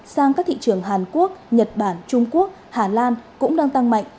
sang các thị trường hàn quốc nhật bản trung quốc hà lan cũng đang tăng mạnh